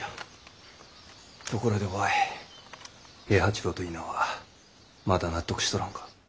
ところで於愛平八郎と稲はまだ納得しとらんか？